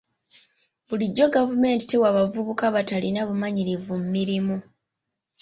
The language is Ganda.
Bulijjo gavumenti tewa bavubuka batalina bumanyirivu mirimu.